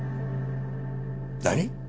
何！？